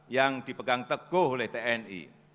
yang dipegang teguh oleh tni